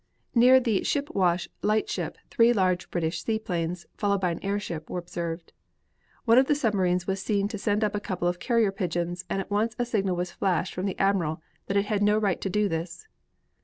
Near the Ship Wash lightship three large British seaplanes, followed by an airship, were observed. One of the submarines was seen to send up a couple of carrier pigeons and at once a signal was flashed from the admiral that it had no right to do this.